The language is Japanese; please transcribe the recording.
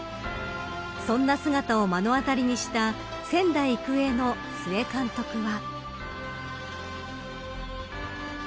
そんな姿を目の当たりにした仙台育英の須江監督は。